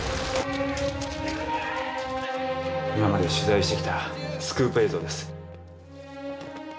今まで取材してきたスクープ映像です。